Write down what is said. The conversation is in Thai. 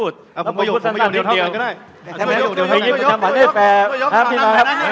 แต่เมื่อกี้ทั้งหมดก็เกินทีแล้ว